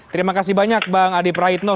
terima kasih banyak bang adi praitno